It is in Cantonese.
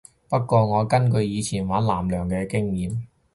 不過我根據我以前玩艦娘嘅經驗